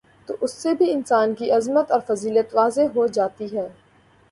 تو اس سے بھی انسان کی عظمت اور فضیلت واضح ہو جاتی ہے